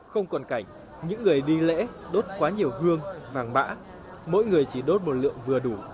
không còn cảnh những người đi lễ đốt quá nhiều hương vàng mã mỗi người chỉ đốt một lượng vừa đủ